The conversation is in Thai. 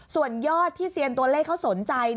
ส่วนยอดที่เซียนตัวเลขเขาสนใจ